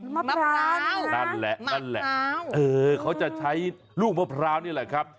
มะพร้าวนั่นแหละนั่นแหละเออเขาจะใช้ลูกมะพร้าวนี่แหละครับ